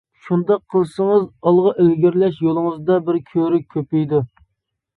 شۇنداق قىلسىڭىز، ئالغا ئىلگىرىلەش يولىڭىزدا بىر كۆۋرۈك كۆپىيىدۇ.